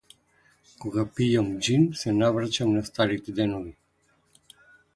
Кога пијам џин се навраќам на старите денови.